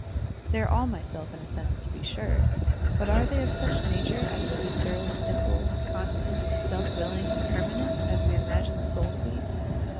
They are all my self in a sense, to be sure, but are they of such nature as to be thoroughly simple, constant, self willing, and permanent, as we imagine the soul to be?